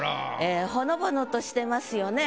ほのぼのとしてますよね。